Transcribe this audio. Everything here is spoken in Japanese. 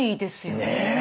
ねえ。